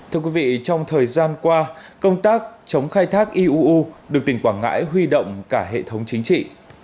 thưa quý vị trong thời gian qua công tác chống khai thác iuu được tỉnh quảng ngãi huy động cả hệ thống chính trị